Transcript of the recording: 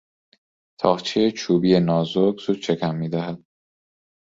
تاقچهی چوبی نازک زود شکم میدهد.